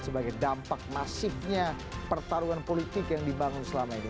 sebagai dampak masifnya pertarungan politik yang dibangun selama ini